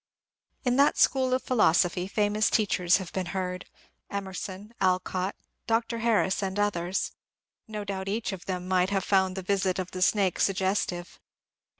In that School of Philosophy famous teachers have been heard, — Emerson, Alcott, Dr. Harris, and others. No doubt each of them might have found the visit of the snake sug gestive.